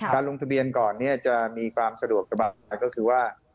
ลงทะเบียนก่อนจะมีความสะดวกสบายก็คือว่า